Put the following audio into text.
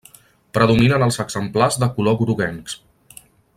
Predominen els exemplars de color groguencs.